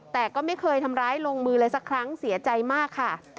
แต่ก็ไม่เคยทำร้ายลงมือเลยสักครั้งเสียใจมากค่ะ